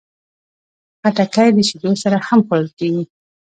خټکی د شیدو سره هم خوړل کېږي.